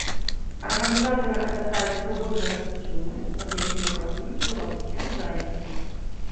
Арганізатары абяцаюць прыгожыя касцюмы, над якімі працуюць беларускія дызайнеры.